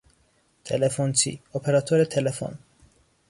تلفنچی، اپراتور تلفن